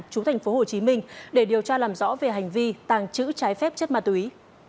chú thành phố hồ chí minh để điều tra làm rõ về hành vi tàng trữ trái phép chất ma túy